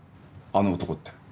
あの男って。